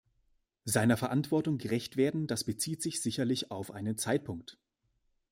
Seiner Verantwortung gerecht werden das bezieht sich sicherlich auf einen Zeitpunkt.